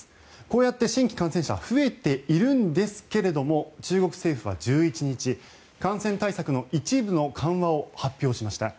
こうやって新規感染者は増えているんですけれども中国政府は１１日感染対策の一部の緩和を発表しました。